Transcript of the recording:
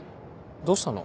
どうしたの？